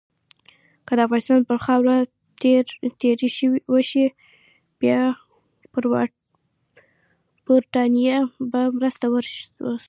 که د افغانستان پر خاوره تیری وشي، برټانیه به مرسته ورسره وکړي.